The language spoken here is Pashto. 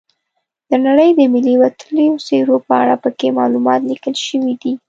د نړۍ د ملي وتلیو څیرو په اړه پکې معلومات لیکل شوي دي.